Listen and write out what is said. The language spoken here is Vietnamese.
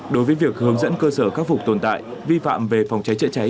đối với việc hướng dẫn cơ sở khắc phục tồn tại vi phạm về phòng cháy chữa cháy